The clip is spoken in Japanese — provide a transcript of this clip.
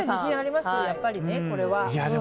やっぱりこれは。